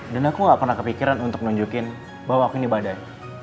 dan aku gak pernah kepikiran untuk nunjukin bahwa aku ini badai